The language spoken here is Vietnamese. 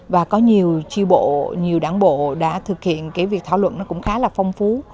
và có nhiều tri bộ nhiều đảng bộ đã thực hiện cái việc thảo luận nó cũng khá là phong phú